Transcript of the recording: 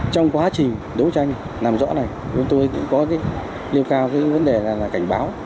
trong quá trình đấu tranh làm rõ này tôi cũng có liên quan đến vấn đề là cảnh báo